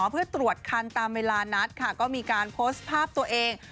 เพื่อตรวจคันตามเวลานัดค่ะก็มีการโพสต์ภาพตัวเอง